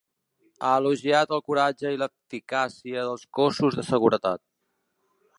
Ha elogiat el coratge i l’eficàcia dels cossos de seguretat.